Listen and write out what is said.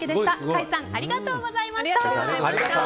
甲斐さんありがとうございました。